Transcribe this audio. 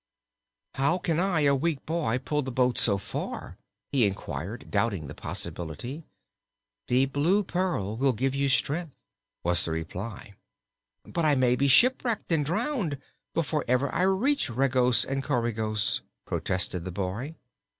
"How can I, a weak boy, pull the boat so far?" he inquired, doubting the possibility. "The Blue Pearl will give you strength," was the reply. "But I may be shipwrecked and drowned, before ever I reach Regos and Coregos," protested the boy.